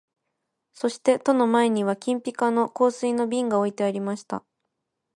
そして戸の前には金ピカの香水の瓶が置いてありました